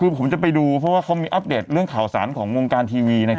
คือผมจะไปดูเพราะว่าเขามีอัปเดตเรื่องข่าวสารของวงการทีวี